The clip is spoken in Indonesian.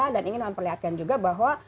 dan ingin akan perlihatkan juga bahwa